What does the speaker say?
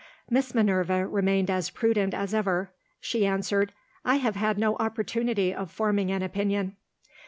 Miss Minerva remained as prudent as ever. She answered, "I have had no opportunity of forming an opinion."